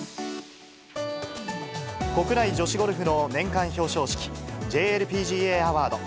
国内女子ゴルフの年間表彰式、ＪＬＰＧＡアワード。